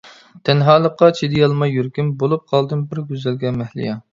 تەنھالىققا چىدىيالماي يۈرىكىم، بولۇپ قالدىم بىر گۈزەلگە مەھلىيا.